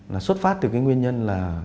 là xuất phát từ cái nguyên nhân